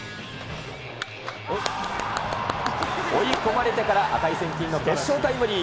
追い込まれてから値千金の決勝タイムリー。